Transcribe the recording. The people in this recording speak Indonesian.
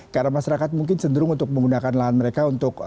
karena masyarakat mungkin cenderung untuk menggunakan lahan mereka untuk